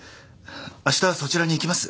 あしたそちらに行きます。